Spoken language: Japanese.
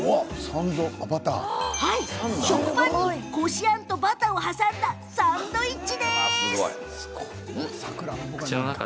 食パンにこしあんとバターを挟んだサンドイッチ。